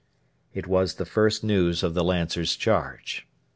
It was the first news of the Lancers' charge.